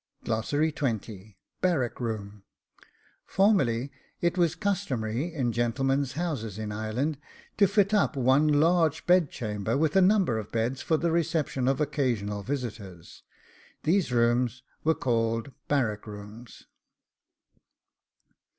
BARRACK ROOM. Formerly it was customary, in gentlemen's houses in Ireland, to fit up one large bedchamber with a number of beds for the reception of occasional visitors. These rooms were called Barrack rooms.